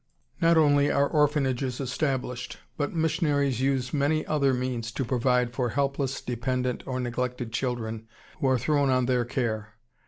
] Not only are orphanages established, but missionaries use many other means to provide for helpless, dependent, or neglected children who are thrown on their care.